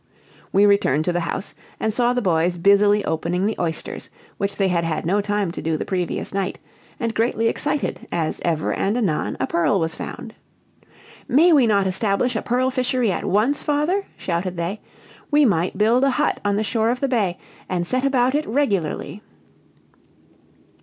We returned to the house, and saw the boys busily opening the oysters, which they had had no time to do the previous night, and greatly excited as ever and anon a pearl was found. "May we not establish a pearl fishery at once, father?" shouted they. "We might build a hut on the shore of the bay, and set about it regularly."